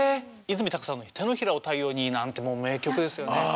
いずみたくさんの「手のひらを太陽に」なんてもう名曲ですよね。